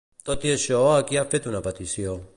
Tot i això, a qui ha fet una petició?